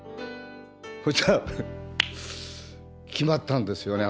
そしたら決まったんですよね